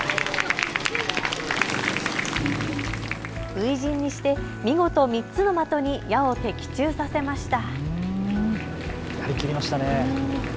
初陣にして見事、３つの的に矢を的中させました。